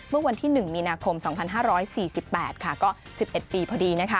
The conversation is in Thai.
เมื่อวันที่๑มีนาคม๒๕๔๘ก็๑๑ปีพอดี